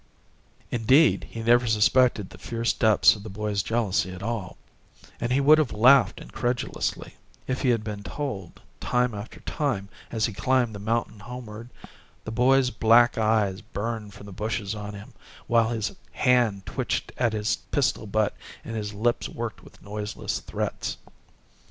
Indeed, he never suspected the fierce depths of the boy's jealousy at all, and he would have laughed incredulously, if he had been told how, time after time as he climbed the mountain homeward, the boy's black eyes burned from the bushes on him, while his hand twitched at his pistol butt and his lips worked with noiseless threats.